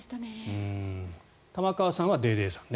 玉川さんはデーデーさんね。